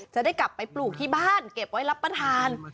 จะได้กลับไปปลูกที่บ้านเก็บไว้รับประทาน